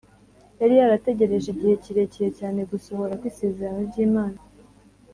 yari yarategereje igihe kirekire cyane gusohora kw’isezerano ry’imana;